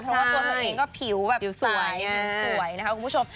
เพราะว่าตัวตัวเองก็ผิวแบบสวยนะครับคุณผู้ชม